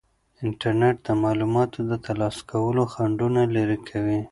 انټرنیټ د معلوماتو د ترلاسه کولو خنډونه لرې کوي.